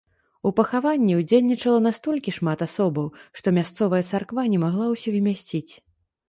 У пахаванні ўдзельнічала настолькі шмат асобаў, што мясцовая царква не магла ўсіх змясціць.